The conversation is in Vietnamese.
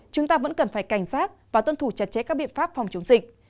chúng ta vẫn cần phải cảnh giác và tuân thủ chặt chẽ các biện pháp phòng chống dịch